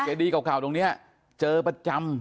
ดีเก่าตรงนี้เจอประจำ